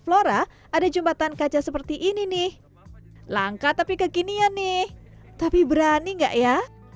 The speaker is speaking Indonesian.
flora ada jembatan kaca seperti ini nih langka tapi kekinian nih tapi berani enggak ya